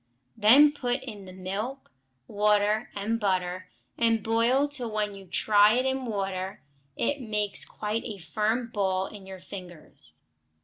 Then put in the milk, water, and butter, and boil till when you try in water it makes quite a firm ball in your fingers.